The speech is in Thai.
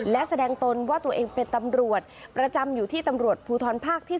และแสดงตนว่าตัวเองเป็นตำรวจประจำอยู่ที่ตำรวจภูทรภาคที่๓